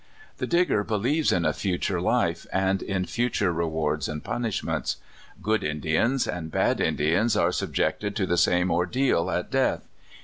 The Digger believes in a future life, and in THE DIGGERS. 1 37 future rewards and punishments. Good Indians and bad Indians are subjected to the same ordeal at death.